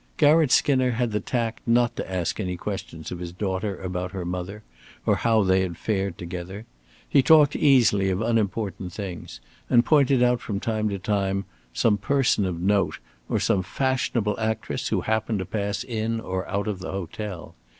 Garratt Skinner had the tact not to ask any questions of his daughter about her mother, or how they had fared together. He talked easily of unimportant things, and pointed out from time to time some person of note or some fashionable actress who happened to pass in or out of the hotel.